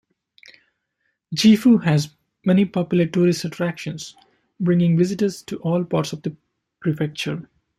Gifu has many popular tourist attractions, bringing visitors to all parts of the prefecture.